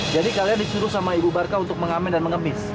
jadi kalian disuruh sama ibu barka untuk mengamen dan mengemis